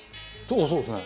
そうですね。